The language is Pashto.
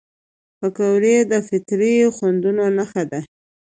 پکورې د فطري خوندونو نښه ده